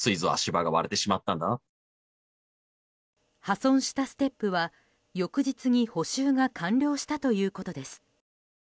破損したステップは翌日に補修が完了したということです。